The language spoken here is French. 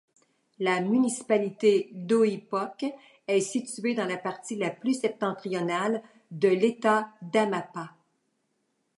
La municipalité d'Oiapoque est située dans la partie la plus septentrionale de État d'Amapá.